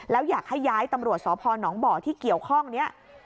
แล้วอยากให้ย้ายตำรวจสพนบ่อที่เกี่ยวข้องนี้